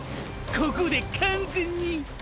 ここで完全に！！